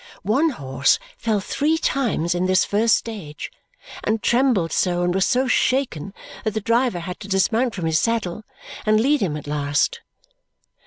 One horse fell three times in this first stage, and trembled so and was so shaken that the driver had to dismount from his saddle and lead him at last.